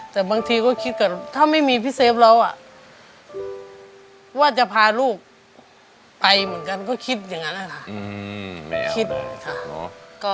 แต่บางทีก็คิดก่อนถ้าไม่มีพี่เซฟเราว่าจะพาลูกไปเหมือนกันก็คิดอย่างนั้นนะคะ